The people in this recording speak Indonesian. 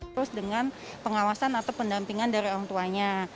terus dengan pengawasan atau pendampingan dari orang tuanya